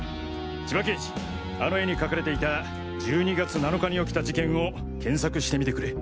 千葉刑事あの絵に描かれていた１２月７日に起きた事件を検索してみてくれ。